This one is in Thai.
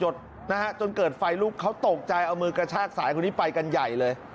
นะฮะจนเกิดไฟลุกเขาตกใจเอามือกระชากสายคนนี้ไปกันใหญ่เลย